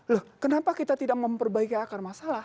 loh kenapa kita tidak memperbaiki akar masalah